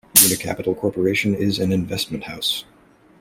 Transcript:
UniCapital Corporation is an investment house.